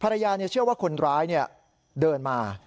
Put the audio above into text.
เชื่อว่าคนร้ายเดินมา